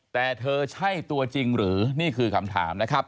แต่เธอใช่ตัวจริงหรือนี่คือคำถามนะครับ